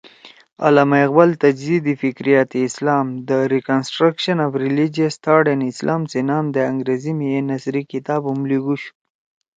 علامہ اقبال ”تجدید فکریات اسلام (The Reconstruction of Religious Thought in Islam) سی نام دے انگریزی می اے نثری کتاب ہُم لیِگُوشُو